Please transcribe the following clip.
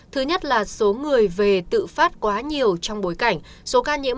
thứ nhất là số người về tự phát quá nhiều trong bối cảnh số ca nhiễm